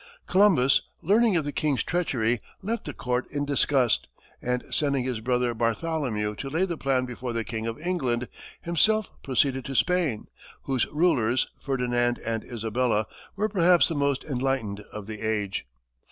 Columbus, learning of the king's treachery, left the court in disgust, and sending his brother, Bartholomew, to lay the plan before the King of England, himself proceeded to Spain, whose rulers, Ferdinand and Isabella, were perhaps the most enlightened of the age.